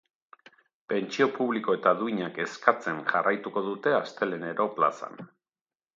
Pentsio publiko eta duinak eskatzen jarraituko dute astelehenero plazan.